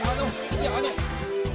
いやあの。